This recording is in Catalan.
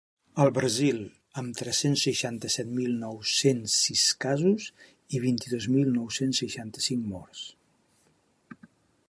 El Brasil, amb tres-cents seixanta-set mil nou-cents sis casos i vint-i-dos mil nou-cents seixanta-cinc morts.